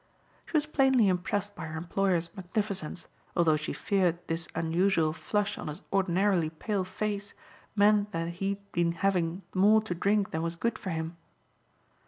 She was plainly impressed by her employer's magnificence although she feared this unusual flush on his ordinarily pale face meant that he had been having more to drink than was good for him.